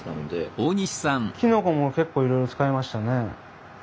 きのこも結構いろいろ使いましたね。